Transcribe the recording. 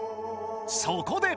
そこで。